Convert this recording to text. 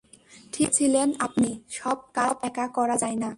ঠিক বলেছিলেন আপনি, সব কাজ একা করা যায় না।